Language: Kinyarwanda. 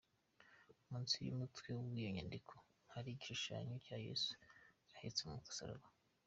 Munsi y’umutwe w’iyo nyandiko hari igishushanyo cya Yesu ahetse umusaraba.